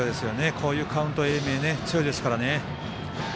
こういうカウント英明、強いですからね。